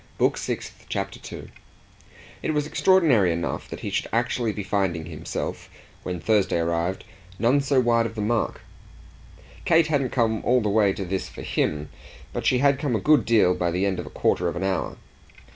Book Sixth, Chapter 2 It was extraordinary enough that he should actually be finding himself, when Thursday arrived, none so wide of the mark. Kate hadn't come all the way to this for him, but she had come to a good deal by the end of a quarter of an hour.